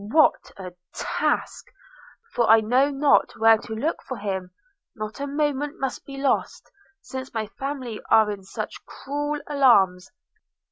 What a task! for I know not where to look for him: not a moment must be lost, since my family are in such cruel alarms.